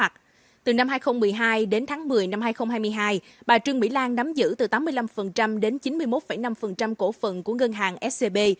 từ năm hai nghìn một mươi hai đến tháng một mươi năm hai nghìn hai mươi hai bà trương mỹ lan nắm giữ từ tám mươi năm đến chín mươi một năm cổ phận của ngân hàng scb